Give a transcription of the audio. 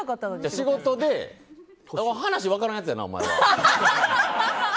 仕事で話分からんやつやな。